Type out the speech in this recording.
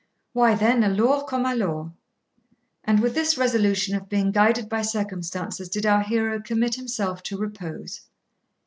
why then alors comme alors.' And with this resolution of being guided by circumstances did our hero commit himself to repose.